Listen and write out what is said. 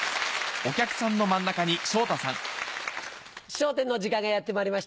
『笑点』の時間がやってまいりました。